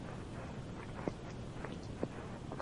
Horietatik gehienek bereizgarria jasoko dute.